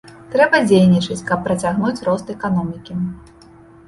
Трэба дзейнічаць, каб працягнуць рост эканомікі.